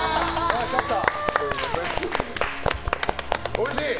おいしい！